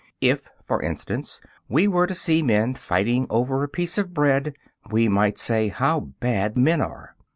If, for instance, we were to see men fighting over a piece of bread, we might say: "How bad men are!"